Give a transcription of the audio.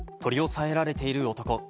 取り押さえられている男。